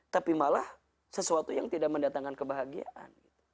tapi malah sesuatu yang tidak mendatangkan kebahagiaan